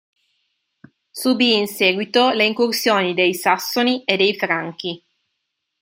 Subì in seguito le incursioni dei Sassoni e dei Franchi.